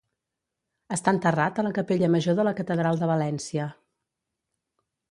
Està enterrat a la capella major de la catedral de València.